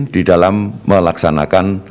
di dalam melaksanakan